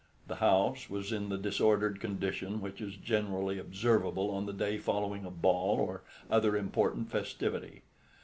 The house was in the disordered condition which is generally observable on the day following a ball or other important festivity.